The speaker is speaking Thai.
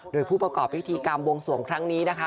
โดยผู้ประกอบพิธีกรรมบวงสวงครั้งนี้นะคะ